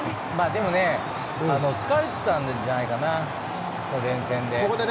でもね、疲れてたんじゃないかな連戦で。